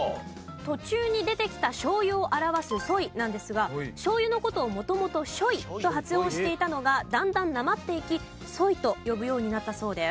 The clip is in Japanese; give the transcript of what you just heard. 途中に出てきた「しょうゆ」を表す「そい」なんですがしょうゆの事を元々「しょい」と発音していたのがだんだんなまっていき「そい」と呼ぶようになったそうです。